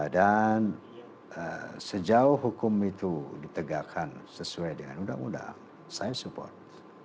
dan sejauh hukum itu ditegakkan sesuai dengan undang undang saya support